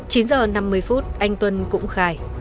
chín h năm mươi anh tuân cũng khai